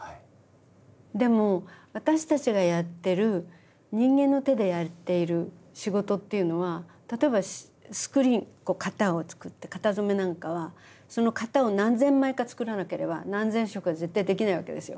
でも私たちがやってる人間の手でやっている仕事っていうのは例えばスクリーンこう型を作って型染めなんかはその型を何千枚か作らなければ何千色は絶対できないわけですよ。